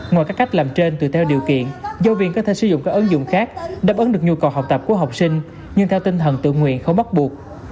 ngoài các cách làm trên tùy theo điều kiện giáo viên có thể sử dụng các ứng dụng khác đáp ứng được nhu cầu học tập của học sinh nhưng theo tinh thần tự nguyện không bắt buộc